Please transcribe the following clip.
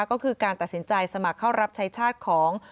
ก็คือการตัดสินใจสมัครเข้ารับใช้ชาติของ